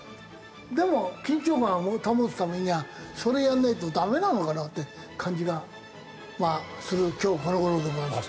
でも緊張感を保つためにはそれやらないとダメなのかなって感じがする今日この頃でございます。